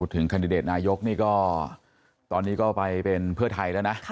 แคนดิเดตนายกนี่ก็ตอนนี้ก็ไปเป็นเพื่อไทยแล้วนะ